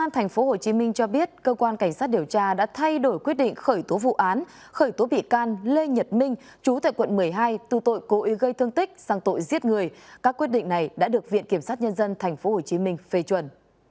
tp hcm cho biết cơ quan cảnh sát điều tra đã thay đổi quyết định khởi tố vụ án khởi tố bị can lê nhật minh chú tại quận một mươi hai tù tội cố ý gây thương tích sang tội giết người các quyết định này đã được viện kiểm sát nhân dân tp hcm phê chuẩn